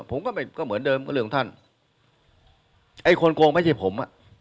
ผมก็ไม่ก็เหมือนเดิมก็เรื่องของท่านไอ้คนโกงไม่ใช่ผมอ่ะ